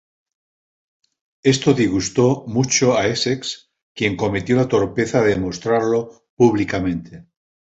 Esto disgustó mucho a Essex, quien cometió la torpeza de demostrarlo públicamente.